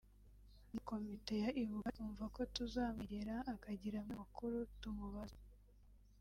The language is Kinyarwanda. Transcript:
na komite ya Ibuka twumva ko tuzamwegera akagira amwe mu makuru tumubaza…